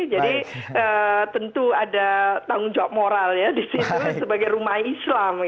jadi tentu ada tanggung jawab moral ya di situ sebagai rumah islam